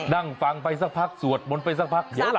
นั่งฟังไปสักพักสวดมนต์ไปสักพักเดี๋ยวล่ะ